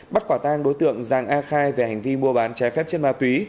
bắt quả tang đối tượng giàng a khai về hành vi mua bán trái phép chất ma túy